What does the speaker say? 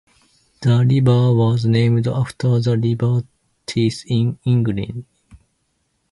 The river was named after the River Tees in England.